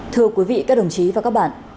thưa quý vị các đồng chí và các bạn